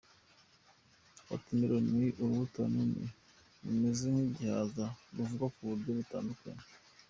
Watermelon ni urubuto runini rumeze nk’igihaza, ruvugwa mu buryo butandukanye.